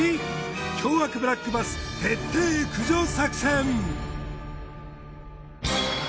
凶悪ブラックバス徹底駆除作戦！